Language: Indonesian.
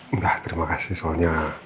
enggak terima kasih soalnya